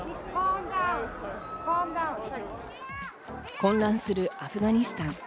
混乱するアフガニスタン。